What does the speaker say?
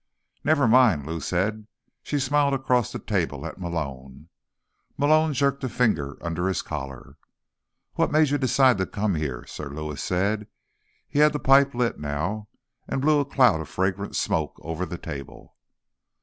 "Never mind," Lou said. She smiled across the table at Malone. Malone jerked a finger under his collar. "What made you decide to come here?" Sir Lewis said. He had the pipe lit now, and blew a cloud of fragrant smoke over the table.